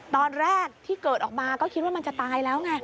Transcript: ตอนแรกที่เกิดออกมาก็คิดว่ามันจะตายแล้วไง